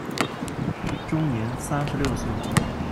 终年三十六岁。